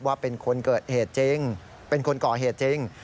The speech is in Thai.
ว่าเป็นคนเกิดเหตุจริงเป็นคนก่อเหตุจริง